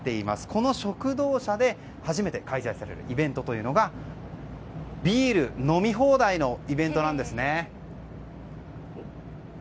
この食堂車で初めて開催されるイベントというのがビール飲み放題のイベントなんですね。